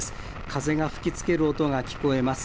風が吹きつける音が聞こえます。